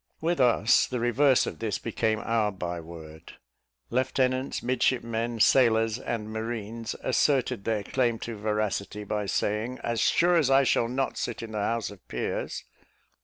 With us, the reverse of this became our bye word; lieutenants, midshipmen, sailors and marines, asserted their claim to veracity by saying, "As sure as I shall not sit in the House of Peers."